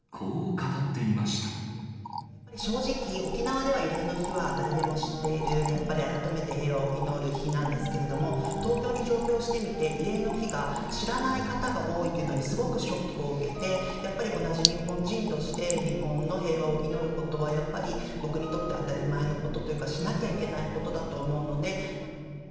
やっぱり正直、沖縄では慰霊の日は誰でも知っている、やっぱり改めて平和を祈る日なんですけれども、東京に上京してみて、慰霊の日が知らない方が多いというのに、すごくショックを受けて、やっぱり同じ日本人として、日本の平和を祈ることは、やっぱり僕にとって当たり前のことというか、しなきゃいけないことだと思うので。